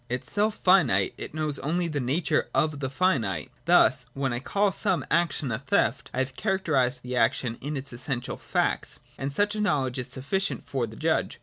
Itself finite, it knows only the nature of the finite. Thus, when I call some action a theft, I have characterised the action in its essential facts : and such a knowledge is sufficient for the judge.